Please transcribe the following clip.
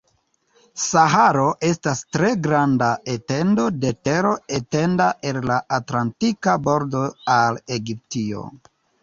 Saharo estas tre granda etendo de tero etenda el la Atlantika bordo al Egiptio.